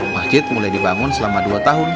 masjid mulai dibangun selama dua tahun